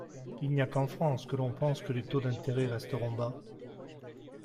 Il n’y a qu’en France que l’on pense que les taux d’intérêt resteront bas.